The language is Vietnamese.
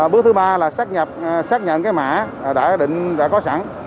bước thứ ba là xác nhận cái mã đã có sẵn